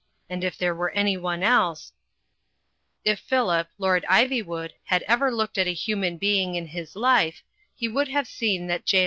And if there were anyone else ." If Phillip, Lord Iv3rwood, had ever looked at a hu man being in his life, he would have seen that J.